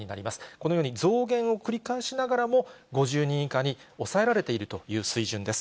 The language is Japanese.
このように増減を繰り返しながらも、５０人以下に抑えられているという水準です。